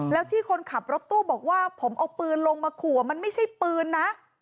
แล้วที่คนขับรถตู้บอกว่าผมเอาปืนลงมาขู่มันไม่ใช่ปืนนะ